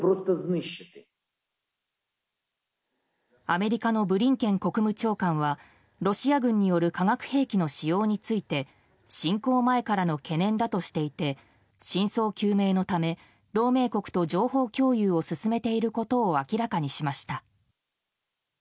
アメリカのブリンケン国務長官はロシア軍による化学兵器の使用について侵攻前からの懸念だとしていて真相究明のため、同盟国と情報共有を進めていることを明らかにしました。